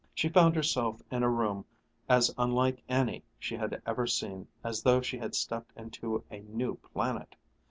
She found herself in a room as unlike any she had ever seen as though she had stepped into a new planet.